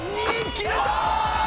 決めた！